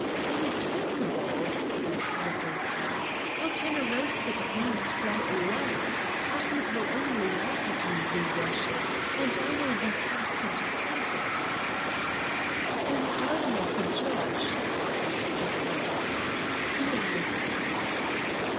"Impossible!" said the baker. "How can a roasted goose fly away? Ahmet will only laugh at me, your Worship, and I will be cast into prison." "Am I not a Judge?" said the Cadi, "fear nothing."